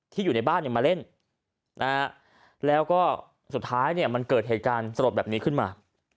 อยู่ในบ้านมาเล่นแล้วก็สุดท้ายเนี่ยมันเกิดเหตุการณ์สลดแบบนี้ขึ้นมา